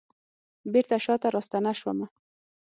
بیرته شاته راستنه شومه